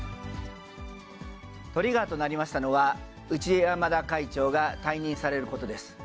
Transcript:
トリガーとなりましたのは、内山田会長が退任されることです。